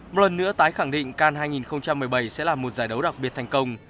một lần nữa tái khẳng định can hai nghìn một mươi bảy sẽ là một giải đấu đặc biệt thành công